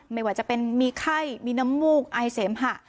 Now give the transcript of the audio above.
ไม่ว่าจะเป็นมีไข้มีน้ำมูกไอเสมหะ